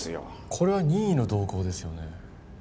これは任意の同行ですよね？